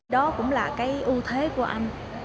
đó cũng là cái ưu thế của anh